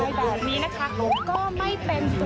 สวัสดีครับคุณผู้ชมครับ